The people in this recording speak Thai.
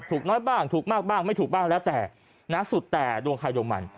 ถูกน้อยบ้างถูกมากบ้างไม่ถูกบ้างแล้วแต่นะสุดแต่ดวงใครดวงมัน